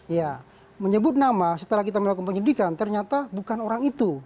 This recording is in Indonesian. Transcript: ya menyebut nama setelah kita melakukan penyidikan ternyata bukan orang itu